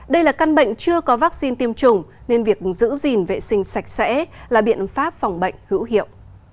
đây là căn bệnh chưa có vaccine tiêm chủng nên việc giữ gìn vệ sinh sạch sẽ là biện pháp phòng bệnh hữu hiệu